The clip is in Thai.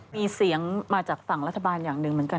มีเสียงมาจากฝั่งรัฐบาลอย่างหนึ่งเหมือนกัน